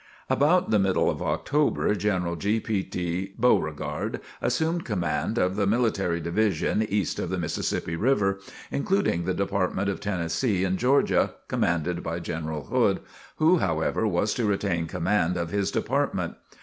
About the middle of October, General G. P. T. Beauregard assumed command of the Military Division East of the Mississippi River, including the Department of Tennessee and Georgia commanded by General Hood, who, however, was to retain command of his department.